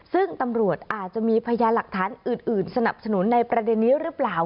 ซึ่งตำรวจอาจจะมีพยานหลักฐานอื่นสนับสนุนในประเด็นนี้หรือเปล่า